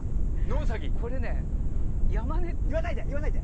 これね言わないで言わないで！